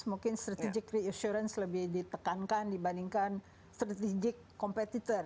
mungkin strategic reassurance lebih ditekankan dibandingkan strategic competitor